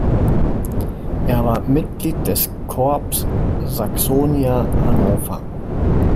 Er war Mitglied des Corps Saxonia Hannover.